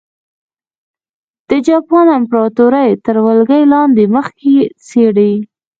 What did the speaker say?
د جاپان امپراتورۍ تر ولکې لاندې مخکښې څېرې.